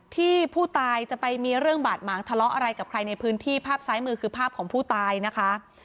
ที่ผู้ตายจะไปมีเรื่องบาดหมางทะเลาะอะไรกับใครในพื้นที่ภาพซ้ายมือคือภาพของผู้ตายนะคะ